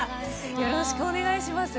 よろしくお願いします。